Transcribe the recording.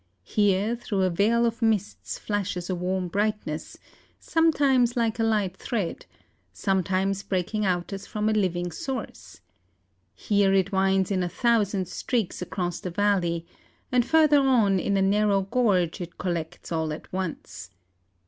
Here, through a veil of mists, flashes a warm brightness, sometimes like a light thread, sometimes breaking out as from a living source. Here, it winds in a thousand streaks across the valley, and further on, in a narrow gorge, it collects all at once.